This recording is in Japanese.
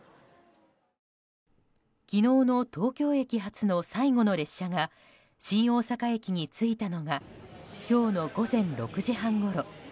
昨日の東京駅発の最後の列車が新大阪駅に着いたのが今日の午前６時半ごろ。